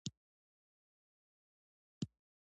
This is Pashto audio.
تنور د اوږدو شپو راز پټوي